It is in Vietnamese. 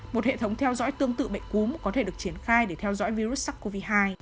một hệ thống theo dõi tương tự bệnh cúm có thể được triển khai để theo dõi virus sars cov hai